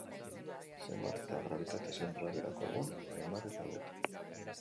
Zenbat eta grabitate-zentroa beherako egon, hainbat eta hobeto.